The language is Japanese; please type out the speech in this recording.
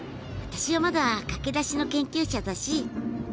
私はまだ駆け出しの研究者だし。